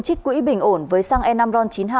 trích quỹ bình ổn với xăng e năm ron chín mươi hai